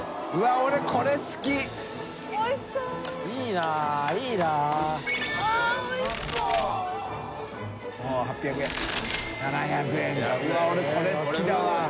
俺これ好きだわ。